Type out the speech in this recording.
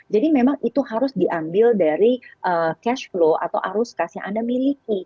jadi memang itu harus diambil dari cash flow atau arus kas yang anda miliki